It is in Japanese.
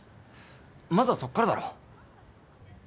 まずはそっからだろ